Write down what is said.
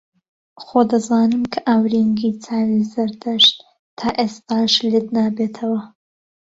خۆ دەزانم کە ئاورینگی چاوی زەردەشت تا ئێستاش لێت نابێتەوە